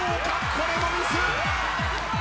これもミス！